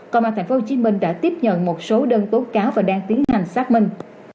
còn mà thành phố hồ chí minh đã tiếp nhận một số đơn tố cáo và đang tiến hành xác minh